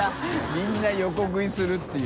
みんな横食いするっていう。